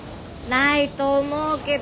ないと思うけど。